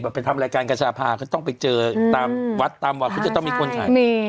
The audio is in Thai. แบบไปทำรายการกัชภาพเขาต้องไปเจอตามวัดตามวัดเขาจะต้องมีคนขายมี